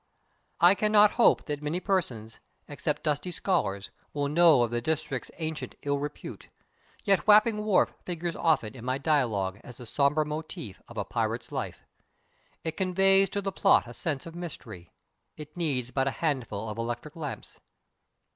I cannot hope that many persons except dusty scholars will know of the district's ancient ill repute, yet Wapping wharf figures often in my dialogue as the somber motif of a pirate's life. It conveys to the plot the sense of mystery. It needs but a handful of electric lamps.